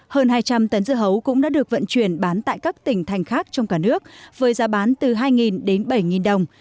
hơn hai trăm linh tấn dưa hấu cũng đã được vận chuyển bán tại các tỉnh thành khác trong cả nước với giá bán từ hai đến bảy đồng